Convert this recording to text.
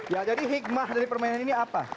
ya jadi hikmah dari permainan ini apa